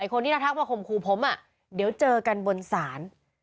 ไอ้คนที่ทักมาข่มขู่ผมอ่ะเดี๋ยวเจอกันบนศาล